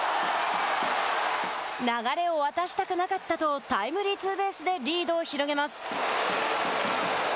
流れを渡したくなかったとタイムリーツーベースでリードを広げます。